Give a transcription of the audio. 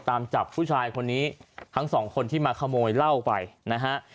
ตามจับผู้ชายคนนี้ทั้งสองคนที่มาขโมยเหล้าไปนะฮะ